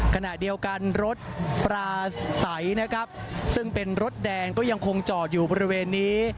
ขณะเดียวกันรถปลาใสนะครับซึ่งเป็นรถแดงก็ยังคงจอดอยู่บริเวณนี้